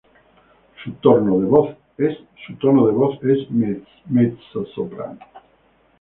Su tono de voz es Mezzosoprano.